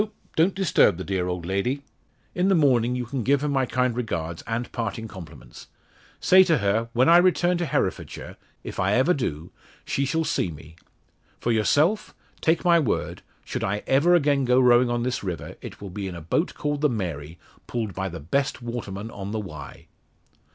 don't disturb the dear old lady. In the morning you can give her my kind regards, and parting compliments. Say to her, when I return to Herefordshire if I ever do she shall see me. For yourself, take my word, should I ever again go rowing on this river it will be in a boat called the Mary, pulled by the best waterman on the Wye."